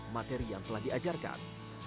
materi yang telah diajarkan